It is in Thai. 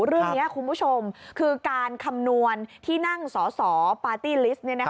คุณผู้ชมคือการคำนวณที่นั่งสอสอปาร์ตี้ลิสต์